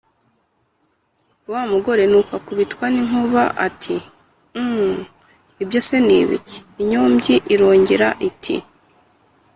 Wa mugore nuko akubitwa n’inkuba ati”uhm! Ibyo se ni ibiki”?inyombyi irongera iti